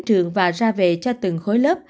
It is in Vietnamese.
trường và ra về cho từng khu